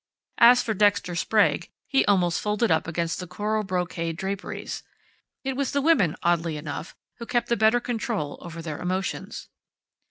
As for Dexter Sprague, he almost folded up against the coral brocade draperies. It was the women, oddly enough, who kept the better control over their emotions.